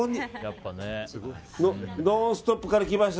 「ノンストップ！」から来ました